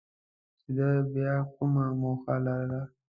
چې ده بیا کومه موخه لرله.